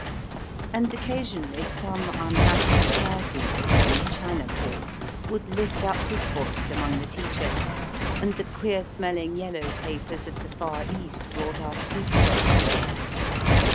And, occasionally, some unhappy Chaaszee, away in the China Ports, would lift up his voice among the tea chests, and the queer smelling yellow papers of the Far East brought us his sorrows.